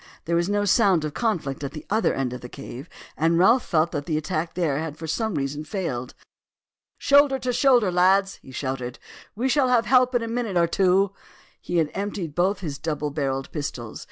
There was no sound of conflict at the other end of the cave, and Ralph felt that the attack there had for some reason failed. "Shoulder to shoulder, lads!" he shouted. "We shall have help in a minute or two." He had emptied both his double barrelled pistols.